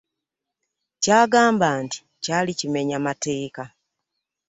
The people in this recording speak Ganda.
Ky'agamba nti kyali kimenya mateeka.